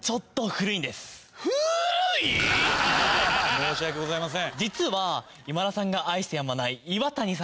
申し訳ございません。